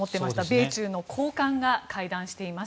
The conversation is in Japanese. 米中の高官が会談しています。